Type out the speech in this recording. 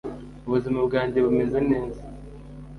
ubuzima bwanjye bumeze neza